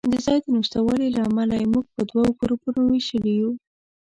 د ځای د نشتوالي له امله یې موږ په دوو ګروپونو وېشلي یو.